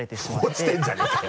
落ちてんじゃないかよ。